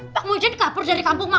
pak muhyiddin kabur dari kampung mak